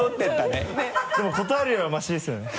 でも断るよりはマシですよね。